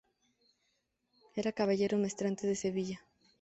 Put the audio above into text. Era caballero maestrante de Sevilla.